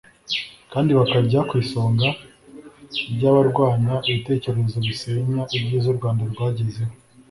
kandi bakajya ku isonga ry’ abarwanya ibitekerezo bisenya ibyiza u Rwanda rwagezeho